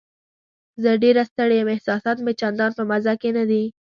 زه ډېره ستړې یم، احساسات مې چندان په مزه کې نه دي.